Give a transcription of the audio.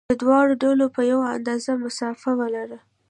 له دواړو ډلو په یوه اندازه مسافه ولري.